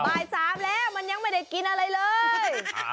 บ่าย๓แล้วมันยังไม่ได้กินอะไรเลย